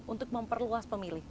untuk memperluas pemilih